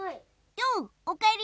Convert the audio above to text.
ようおかえり！